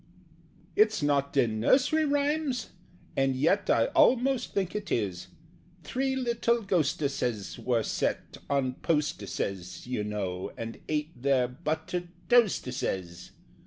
"It's not in Nursery Rhymes? And yet I almost think it is 'Three little Ghosteses' were set 'On posteses,' you know, and ate Their 'buttered toasteses.'